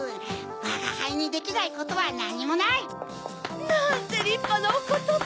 わがはいにできないことはなにもない！なんてりっぱなおことば！